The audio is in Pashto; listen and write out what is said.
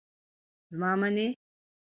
زما منی.